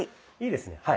いいですね。